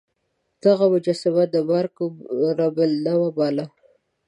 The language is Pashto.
دغه مجسمه د مرګ رب النوع باله.